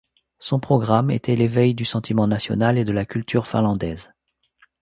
Son programme était l'éveil du sentiment national et de la culture finlandaise.